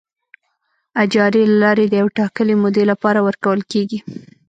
اجارې له لارې د یوې ټاکلې مودې لپاره ورکول کیږي.